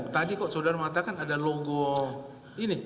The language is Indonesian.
tadi kok saudara mengatakan ada logo ini